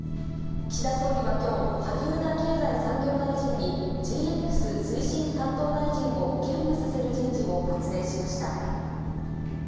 岸田総理はきょう、萩生田経済産業大臣に、ＧＸ推進担当大臣を兼務させる人事を発令しました。